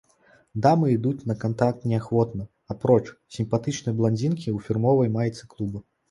Дамы ідуць на кантакт неахвотна, апроч сімпатычнай бландзінкі ў фірмовай майцы клуба.